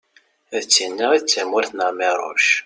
d tin-a i d tamurt n ԑmiruc